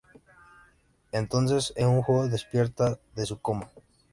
Entonces Eun Joo despierta de su coma.